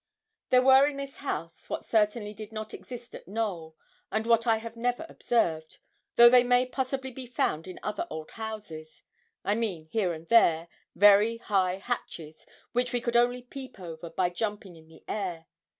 There were in this house, what certainly did not exist at Knowl, and what I have never observed, though they may possibly be found in other old houses I mean, here and there, very high hatches, which we could only peep over by jumping in the air.